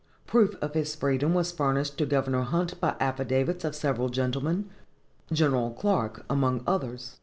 Proof of his freedom was furnished to Governor Hunt by affidavits of several gentlemen, General Clarke among others.